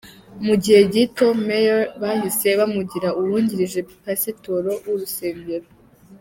Mu gihe gito, Meyer bahise bamugira uwungirije pasitori w’urusengero.